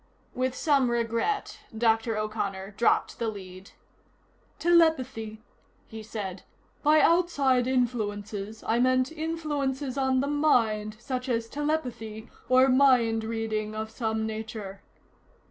With some regret, Dr. O'Connor dropped the lead. "Telepathy," he said. "By outside influences, I meant influences on the mind, such as telepathy or mind reading of some nature."